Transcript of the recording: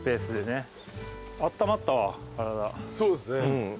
そうですね。